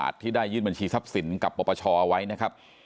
ที่ได้ยื่นบัญชีทรัพย์สินกับปปชเอาไว้นะครับ